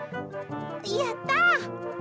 やった！